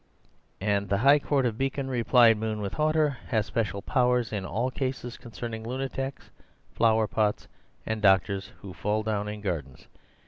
"And the High Court of Beacon," replied Moon with hauteur, "has special powers in all cases concerning lunatics, flower pots, and doctors who fall down in gardens.